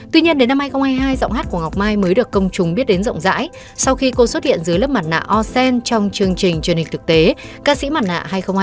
tuy nhiên đến năm hai nghìn hai mươi hai giọng hát của ngọc mai mới được công chúng biết đến rộng rãi sau khi cô xuất hiện dưới lớp mặt nạ o cent trong chương trình truyền hình thực tế ca sĩ mặt nạ hai nghìn hai mươi ba